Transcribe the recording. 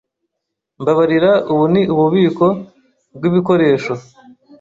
Mbabarira. Ubu ni ububiko bwibikoresho?